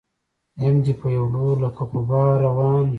يم دې په يو لور لکه غبار روان